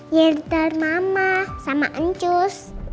nganter mama sama ancus